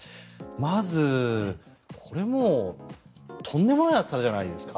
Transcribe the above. まずこれもう、とんでもない暑さじゃないですか。